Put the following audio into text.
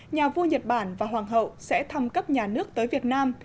nhà vua nhật bản và hoàng hậu sẽ thăm cấp nhà nước tới việt nam